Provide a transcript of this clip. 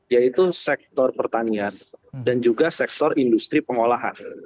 yaitu sektor pertanian dan juga sektor industri pengolahan